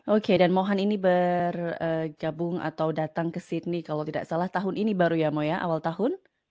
oke dan mohon ini bergabung atau datang ke sydney kalau tidak salah tahun ini baru ya mo ya awal tahun